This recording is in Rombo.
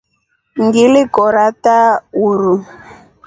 Ngili kora taa uruu.